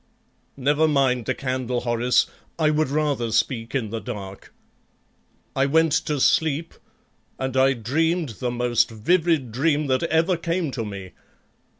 "Never mind the candle, Horace; I would rather speak in the dark. I went to sleep, and I dreamed the most vivid dream that ever came to me.